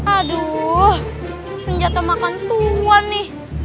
aduh senjata makan tuhan nih